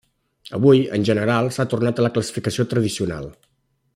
Avui, en general, s'ha tornat a la classificació tradicional.